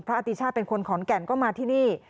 อติชาติเป็นคนขอนแก่นก็มาที่นี่